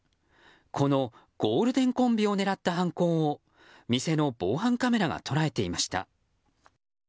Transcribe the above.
このゴールデンコンビを狙った犯行を店の防犯カメラが捉えていました。